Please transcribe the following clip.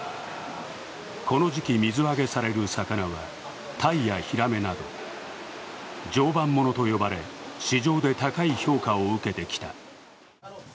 この時期、水揚げされる魚はタイやヒラメなど常磐ものと呼ばれ、市場で高い評価を受けてきた。